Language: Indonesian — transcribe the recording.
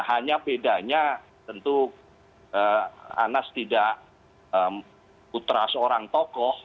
hanya bedanya tentu anas tidak putra seorang tokoh